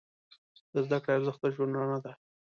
د زده کړې ارزښت د ژوند رڼا ده.